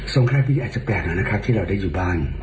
สงครามนี้อาจจะแปลกหน่อยนะครับที่เราได้อยู่บ้าน